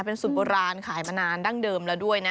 เป็นสูตรโบราณขายมานานดั้งเดิมแล้วด้วยนะ